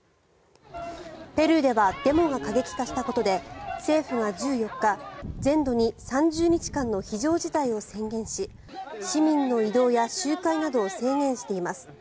ペルーではデモが過激化したことで政府が１４日、全土に３０日間の非常事態を宣言し市民の移動や集会などを制限しています。